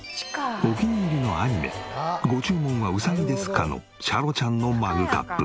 お気に入りのアニメ『ご注文はうさぎですか？』のシャロちゃんのマグカップ。